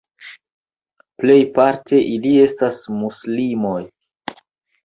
Plejparte ili estas muslimoj.